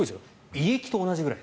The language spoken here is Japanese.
胃液と同じぐらい。